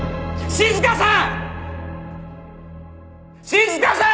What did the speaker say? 静さん！